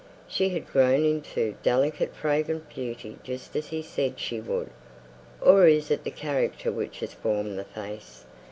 "She has grown into delicate fragrant beauty, just as he said she would: or is it the character which has formed her face?